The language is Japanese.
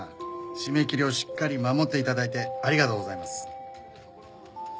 締め切りをしっかり守って頂いてありがとうございます。